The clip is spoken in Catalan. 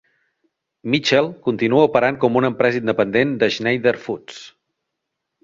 Mitchell continua operant com una empresa independent de Schneider Foods.